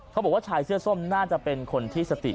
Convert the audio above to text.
เขาบอกว่าชายเสื้อส้มน่าจะเป็นคนที่สติ